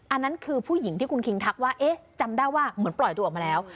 อันนั้นคือผู้หญิงที่คุณคิงทักว่าเอ๊ะจำได้ว่าเหมือนปล่อยตัวออกมาแล้ว